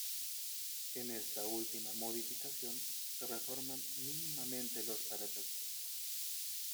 En esta última modificación, se reforman mínimamente los parachoques.